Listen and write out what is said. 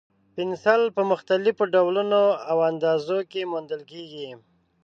پنسل په مختلفو ډولونو او اندازو کې موندل کېږي.